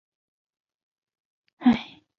内沃吉尔迪是葡萄牙波尔图区的一个堂区。